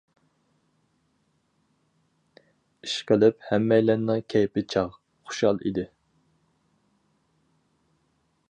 ئىشقىلىپ ھەممەيلەننىڭ كەيپى چاغ، خۇشال ئىدى.